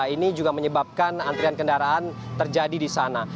ini juga menyebabkan antrian kendaraan terjadi di sana